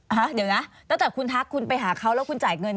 ฮะเดี๋ยวนะตั้งแต่คุณทักคุณไปหาเขาแล้วคุณจ่ายเงิน